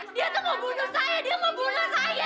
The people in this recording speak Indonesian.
dia tuh mau bunuh saya dia mau bunuh saya